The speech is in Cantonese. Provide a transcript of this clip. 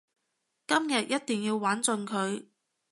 今日一定要玩盡佢